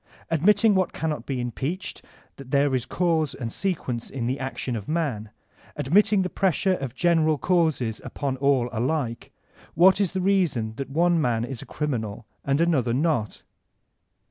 Admitting what cannot be impeached, that there is oase and sequence in the action of man; admitting the l84 VOLTAIKINE DE ClEYBE pressure of general causes upon all alike, what is the rea son that one man is a criminal and another not?